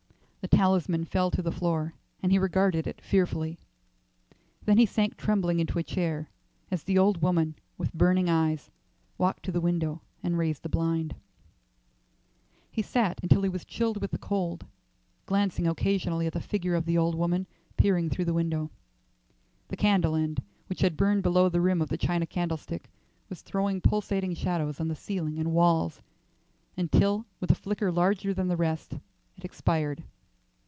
The talisman fell to the floor, and he regarded it fearfully. Then he sank trembling into a chair as the old woman, with burning eyes, walked to the window and raised the blind. He sat until he was chilled with the cold, glancing occasionally at the figure of the old woman peering through the window. The candle end, which had burned below the rim of the china candlestick, was throwing pulsating shadows on the ceiling and walls, until, with a flicker larger than the rest, it expired.